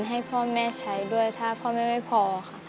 ให้พ่อแม่ใช้ด้วยถ้าพ่อแม่ไม่พอค่ะ